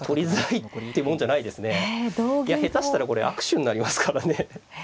いや下手したらこれ悪手になりますからね。